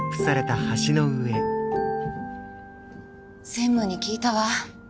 専務に聞いたわ。